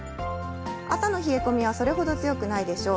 朝の冷え込みはそれほど強くないでしょう。